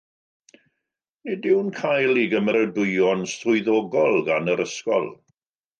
Nid yw'n cael ei gymeradwyo'n swyddogol gan yr ysgol.